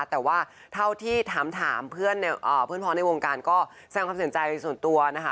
แต่ว่าเท่าที่ถามเพื่อนพ้องในวงการก็แสงความสนใจส่วนตัวนะคะ